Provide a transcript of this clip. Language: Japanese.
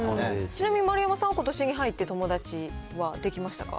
ちなみに丸山さんはことしに入って友達はできましたか？